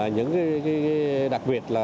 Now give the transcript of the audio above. những đặc biệt là